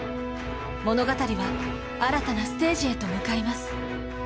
物語は新たなステージへと向かいます。